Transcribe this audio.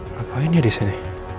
ngapain dia disini